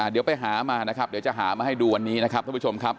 เดี๋ยวไปหามานะครับเดี๋ยวจะหามาให้ดูวันนี้นะครับท่านผู้ชมครับ